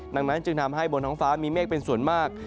ดังนั้นจึงทำให้บนท้องฟ้ามีเมฆเป็นส่วนมาก